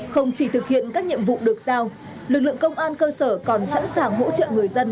không chỉ thực hiện các nhiệm vụ được giao lực lượng công an cơ sở còn sẵn sàng hỗ trợ người dân